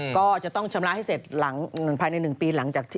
ก็จะต้องชำระให้เสร็จหลังภายใน๑ปีหลังจากที่